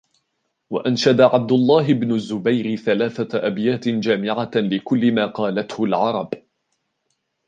وَأَنْشَدَ عَبْدُ اللَّهِ بْنُ الزُّبَيْرِ ثَلَاثَةَ أَبْيَاتٍ جَامِعَةً لِكُلِّ مَا قَالَتْهُ الْعَرَبُ